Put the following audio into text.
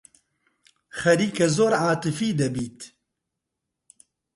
خەریکە زۆر عاتیفی دەبیت.